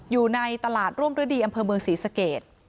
อยู่ในตลาดร่วมฤดีอำเภอเมืองศรีสเกต